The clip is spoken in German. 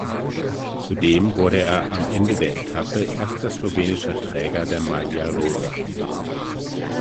Zudem wurde er am Ende der Etappe erster slowenischer Träger der Maglia Rosa.